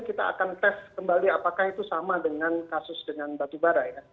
kita akan tes kembali apakah itu sama dengan kasus dengan batubara ya